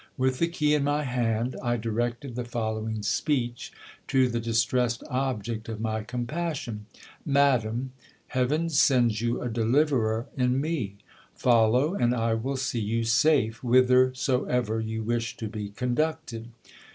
With the key in my hand I directed the following speech to the distressed object of my compassion : Madam, Heaven sends you a deliverer in me ; follow, and I will see you safe whithersoever you wish to be conducted.